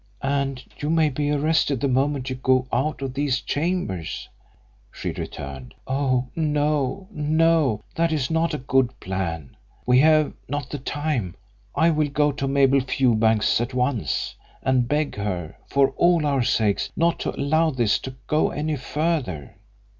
"And you may be arrested the moment you go out of these chambers," she returned. "Oh, no, no; that is not a good plan we have not the time. I will go to Mabel Fewbanks at once, and beg her, for all our sakes, not to allow this to go any further."